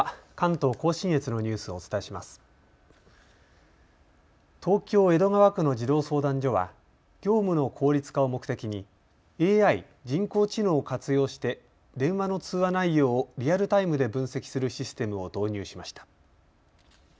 東京江戸川区の児童相談所は業務の効率化を目的にＡＩ・人工知能を活用して電話の通話内容をリアルタイムで分析するシステムを導入しました。